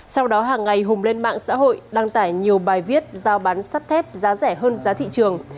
sau đó hàng ngày hùng lên mạng xã hội đăng tải nhiều bài viết giao bán sắt thép giá rẻ hơn giá thị trường